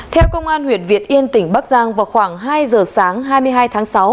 theo công an huyện việt yên tỉnh bắc giang vào khoảng hai giờ sáng hai mươi hai tháng sáu